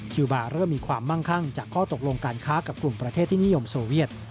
คิวบาร์เริ่มมีความมั่งคั่งจากข้อตกลงการค้ากับกลุ่มประเทศที่นิยมโซเวียต